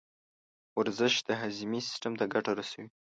ورزش د هاضمې سیستم ته ګټه رسوي.